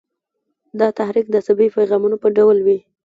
دا تحریک د عصبي پیغامونو په ډول وي.